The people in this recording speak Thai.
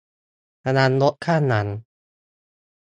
ระวังรถข้างหลัง !